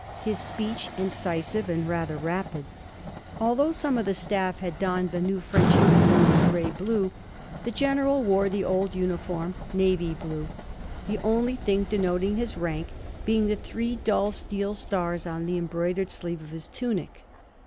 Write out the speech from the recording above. His speech incisive and rather rapid. Although some of the staff had donned the new French uniform of grey blue, the general wore the old uniform, navy blue, the only thing denoting his rank being the three dull steel stars on the embroidered sleeve of his tunic.